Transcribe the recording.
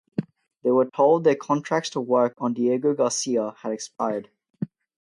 They were told their contracts to work on Diego Garcia had expired.